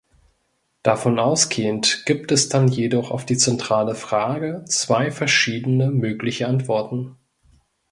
Davon ausgehend gibt es dann jedoch auf die zentrale Frage zwei verschiedene mögliche Antworten.